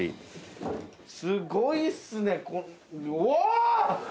すごいっすね。おわぁ！